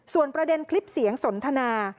ส่วนประเด็นคลิปเสียงสนทนา